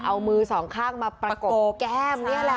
เอามือสองข้างมาประกบแก้มนี่แหละ